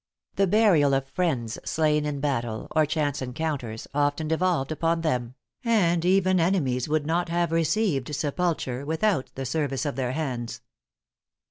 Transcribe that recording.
The burial of friends slain in battle, or chance encounters, often devolved upon them; and even enemies would not have received sepulture without the service of their hands.